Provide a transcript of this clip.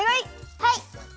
はい。